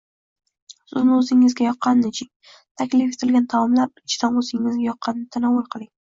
Suvni o‘zingizga yoqqanini iching, taklif etilgan taomlar ichidan o‘zingizga yoqqanini tanovul qiling.